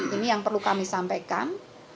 ini yang perlu kami sampaikan